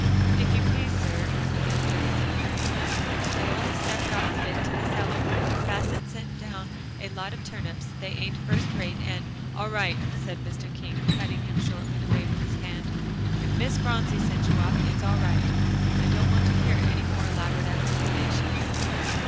"If you please, sir," began Jefferson, hurrying up, "I only stepped off a bit to the cellar. Bassett sent down a lot of turnips, they ain't first rate, and" "All right," said Mr. King, cutting him short with a wave of his hand, "if Miss Phronsie sent you off, it's all right; I don't want to hear any more elaborate explanations."